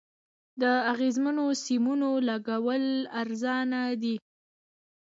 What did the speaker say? د اغزنو سیمونو لګول ارزانه دي؟